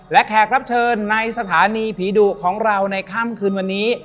และแขกรับเชิญในสถานีผีดุของเราในค่ำคืนวันนี้